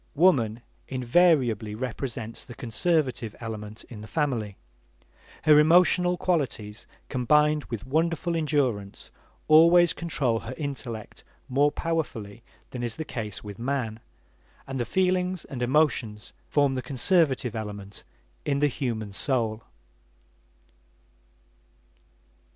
Woman invariably represents the conservative element in the family. Her emotional qualities, combined with wonderful endurance, always control her intellect more powerfully than is the case with man; and the feelings and emotions form the conservative element in the human soul.